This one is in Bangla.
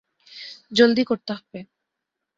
জলদি করতে হবে।